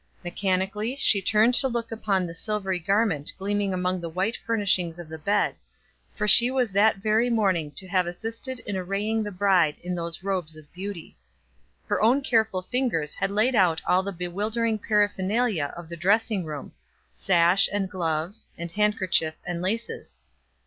Mechanically, she turned to look upon the silvery garment gleaming among the white furnishings of the bed, for she was that very morning to have assisted in arraying the bride in those robes of beauty. Her own careful fingers had laid out all the bewildering paraphernalia of the dressing room sash and gloves, and handkerchief and laces.